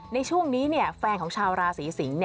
ในช่วงนี้แฟนของชาวราศีสิงศ์